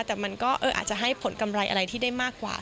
แต่มันก็อาจจะให้ผลกำไรอะไรที่ได้มากกว่า